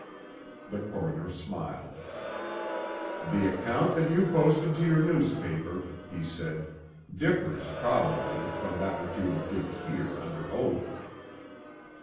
The coroner smiled. "The account that you posted to your newspaper," he said, "differs, probably, from that which you will give here under oath."